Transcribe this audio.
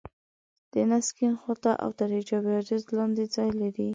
د نس کيڼ خوا ته او تر حجاب حاجز لاندې ځای لري.